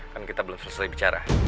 kan kita belum selesai bicara